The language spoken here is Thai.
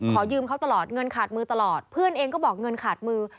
ยืมเขาตลอดเงินขาดมือตลอดเพื่อนเองก็บอกเงินขาดมือ